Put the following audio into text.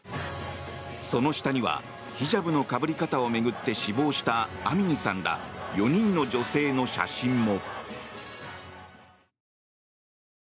その下にはヒジャブのかぶり方を巡って死亡したアミニさんら４人の女性の写真も。